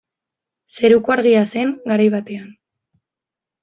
Zeruko Argia zen garai batean.